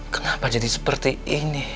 kenapa jadi seperti ini